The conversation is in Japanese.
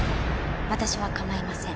私は構いません。